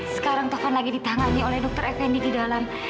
sekarang taufan lagi ditangani oleh dokter fnd di dalam